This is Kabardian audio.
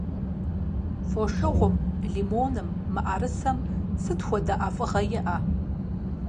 Фошыгъум, лимоным, мыӀэрысэм сыт хуэдэ ӀэфӀыгъэ иӀэ?